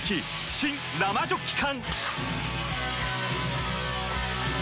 新・生ジョッキ缶！